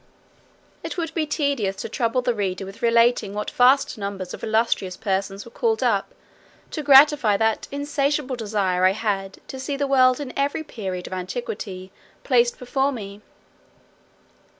It would be tedious to trouble the reader with relating what vast numbers of illustrious persons were called up to gratify that insatiable desire I had to see the world in every period of antiquity placed before me.